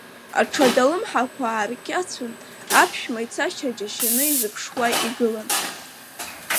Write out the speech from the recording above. Аҽада, алымҳақәа ааркьацәын, аԥшәма ицашьа џьашьаны изыԥшуа игылан.